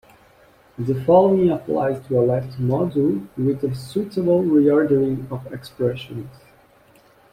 The following applies to a left module with suitable reordering of expressions.